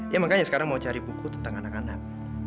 ya makanya sekarang mau cari buku tentang anak anak